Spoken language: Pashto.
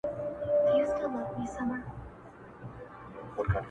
راچاپــــېر شــــــه لۀ هیبــته غـــاړه راکــــړه